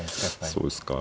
そうですか。